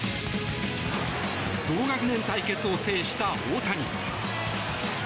同学年対決を制した大谷。